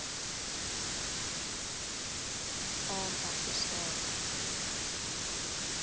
CALM AFTER STORM.